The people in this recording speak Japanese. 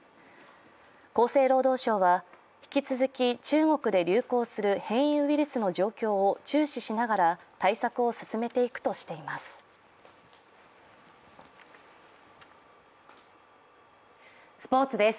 厚生労働省は、引き続き中国で流行する変異ウイルスの状況を注視しながら対策を進めていくとしています。